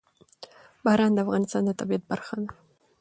باران د افغانستان د طبیعت برخه ده.